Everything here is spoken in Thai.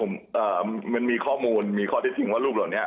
มันมีข้อมูลมีข้อเท็จจริงว่ารูปเหล่านี้